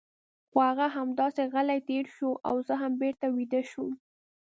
خو هغه همداسې غلی تېر شو او زه هم بېرته ویده شوم.